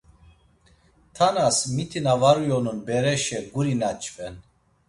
Tanas miti na var uyonun bereşe guri nanç̌ven.